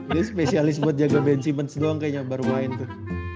dia spesialis buat jaga benchyments doang kayaknya baru main tuh